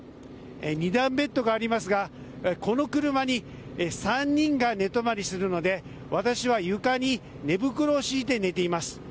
二段ベッドがありますがこの車に３人が寝泊まりするので私は床に寝袋を敷いて寝ています。